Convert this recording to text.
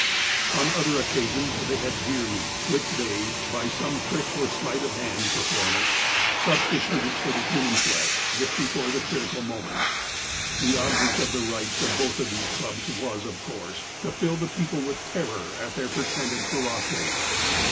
On other occasions, they had deer meat, which they, by some trick or sleight of hand performance, substituted for the human flesh just before the critical moment. The object of the rites of both of these clubs was, of course, to fill the people with terror at their pretended ferocity.